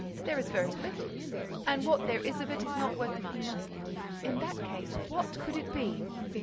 There is very little and what there is of it is not worth much. In that case, what could it be?